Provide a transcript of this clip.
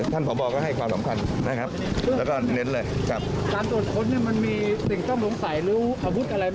มันมีสิ่งต้องหงุงสายหรืออาวุธอะไรนะ